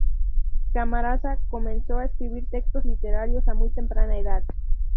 Camarasa comenzó a escribir textos literarios a muy temprana edad.